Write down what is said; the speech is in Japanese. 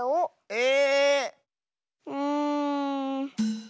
え⁉うん。